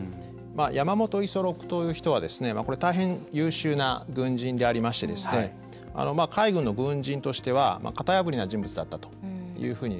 山本五十六という人は大変優秀な軍人でありまして海軍の軍人としては型破りな人物だったというふうに思います。